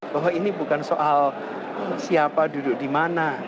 bahwa ini bukan soal siapa duduk di mana